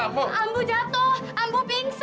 abah abah bangun abah